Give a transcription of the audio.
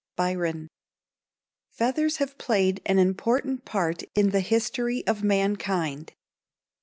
Byron. Feathers have played an important part in the history of mankind.